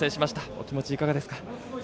お気持ちはいかがですか。